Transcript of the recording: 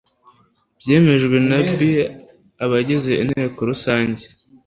byemejwe na b abagize Inteko Rusange